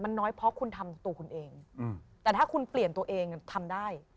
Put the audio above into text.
มันน้อยเพราะคุณทำตัวคุณเองแต่ถ้าคุณเปลี่ยนตัวเองทำได้